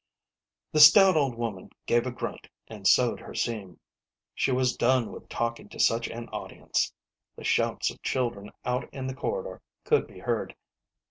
The stout old woman gave a grunt and sewed her seam ; she was done with talking to such an audience. The shouts of children out in the corridor could be heard.